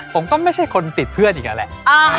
ผมก็ไม่ใช่คนติดเพื่อนอีกแล้วแหละ